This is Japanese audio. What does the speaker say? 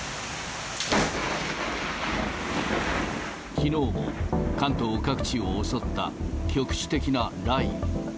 きのうも関東各地を襲った局地的な雷雨。